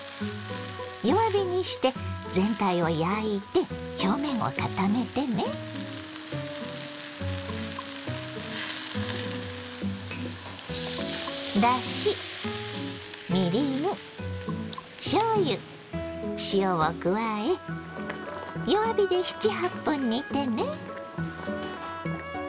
弱火にして全体を焼いて表面を固めてね。を加え弱火で７８分煮てね。